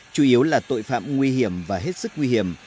chủ yếu là tội phạm nguy hiểm và hết sức nguy hiểm